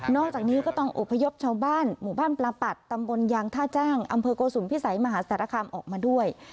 นอกจากนี้ก็ต้องอุปยบชาวบ้านหมู่บ้านประปัติตำบลยางท่าจ้างอำเภอกโกศุมภิษัยมหาศาสตราคามออกมาด้วย